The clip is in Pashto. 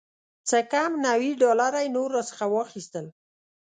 څه کم نوي ډالره یې نور راڅخه واخیستل.